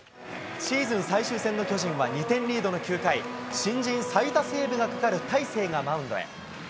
シーズン最終戦の巨人は、２点リードの９回、新人最多セーブがかかる大勢がマウンドへ。